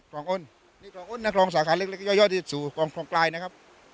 ครองโอนนี่ครองโอนนะครองสาขาเล็กเล็กย่อยย่อยสูงครองกลายนะครับ